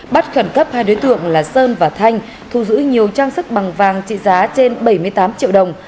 bắt khẩn cấp hai đối tượng là sơn và thanh thu giữ nhiều trang sức bằng vàng trị giá trên bảy mươi tám triệu đồng